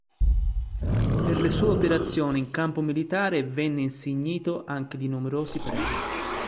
Per le sue operazioni in campo militare venne insignito anche di numerosi premi.